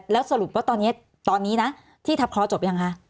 แล้วสรุปว่าตอนนี้นะที่ทับคอจบยังคะ